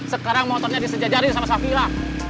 sekarang motornya disejajarin sama safila